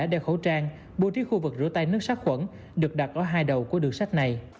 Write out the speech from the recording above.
đeo khẩu trang bố trí khu vực rửa tay nước sát khuẩn được đặt ở hai đầu của đường sắt này